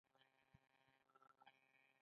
کشک رباط سنګي لاره خرابه ده؟